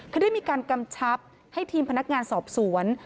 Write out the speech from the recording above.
เขาได้มีการกำชับให้ทีมพนักงานสอบสวน